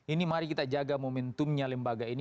ini mari kita jaga momentumnya lembaga ini